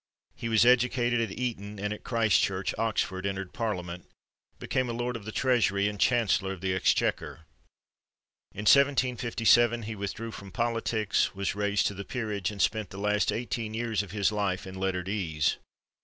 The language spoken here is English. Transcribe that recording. He was educated at Eton and at Christchurch, Oxford, entered Parliament, became a Lord of the Treasury and Chancellor of the Exchequer. In 1757 he withdrew from politics, was raised to the peerage, and spent the last eighteen years of his life in lettered ease.